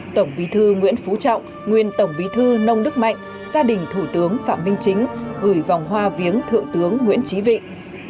tổng bí thư nguyễn phú trọng nguyên tổng bí thư nông đức mạnh gia đình thủ tướng phạm minh chính gửi vòng hoa viếng thượng tướng nguyễn trí vịnh